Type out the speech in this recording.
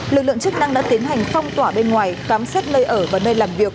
lực lượng chức năng đã tiến hành phong tỏa bên ngoài khám xét nơi ở và nơi làm việc